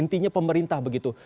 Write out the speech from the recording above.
intinya pemerintah begitu